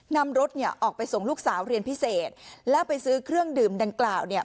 นำรถเนี่ยออกไปส่งลูกสาวเรียนพิเศษแล้วไปซื้อเครื่องดื่มดังกล่าวเนี่ย